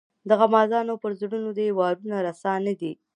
د غمازانو پر زړونو دي وارونه رسا نه دي.